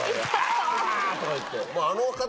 アァ！とか言って。